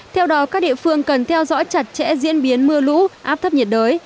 theo đó các địa phương cần theo dõi chặt chẽ diễn biến mưa lũ áp thấp nhiệt đới